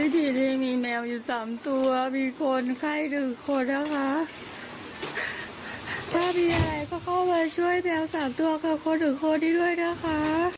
ที่นี่มีแมวอยู่สามตัวมีคนไข้หนึ่งคนนะคะถ้ามีอะไรก็เข้ามาช่วยแมวสามตัวกับคนหนึ่งคนที่ด้วยนะคะ